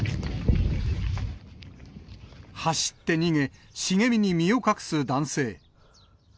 走って逃げ、茂みに身を隠す男性。